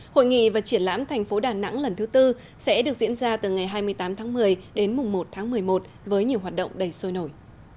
hội nghị và triển lãm thành phố đà nẵng lần thứ tư sẽ được diễn ra từ ngày hai mươi tám tháng một mươi đến mùng một tháng một mươi một với nhiều hoạt động đầy sôi nổi